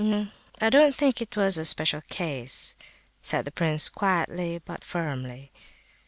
"No, I don't think it was a special case," said the prince, quietly, but firmly.